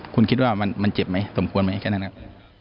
คุณคิดว่ามันเจ็บไหมสมควรไหมแค่นั้นครับ